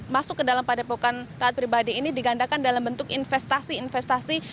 pada padepokan taat pribadi ini digandakan dalam bentuk investasi investasi